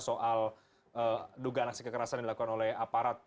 soal dugaan aksi kekerasan yang dilakukan oleh aparat